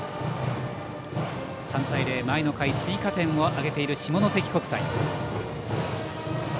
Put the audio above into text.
３対０、前の回追加点を挙げている下関国際。